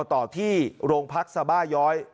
ต่อที่โรงพักสบาย้อย